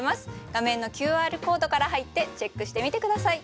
画面のＱＲコードから入ってチェックしてみて下さい。